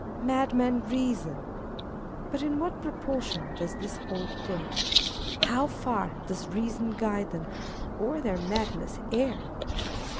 " Madmen reason." But in what proportion does this hold good ? How far does reason guide them, or their madness err